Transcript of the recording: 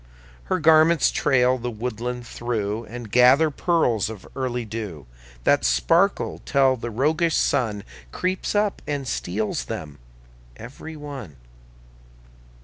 Her garments trail the woodland through, And gather pearls of early dew That sparkle till the roguish Sun Creeps up and steals them every one.